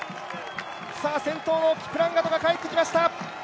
先頭のキプランガトが帰ってきました。